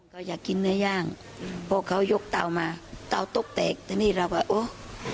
ก็อยากกินเนื้อย่างเพราะเขายกเตามาเตาตกแตกแต่นี่เราก็โอ้